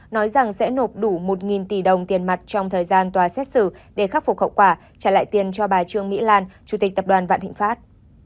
nói rằng sẽ nộp đủ một tỷ đồng tiền mặt trong thời gian tòa xét xử để khắc phục hậu quả trả lại tiền cho bà trương mỹ lan chủ tịch tập đoàn vạn thịnh pháp